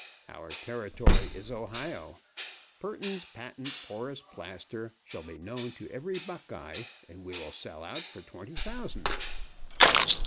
Our territory is Ohio. Perkins's Patent Porous Plaster shall be known to every Buckeye, and we will sell out for twenty thousand."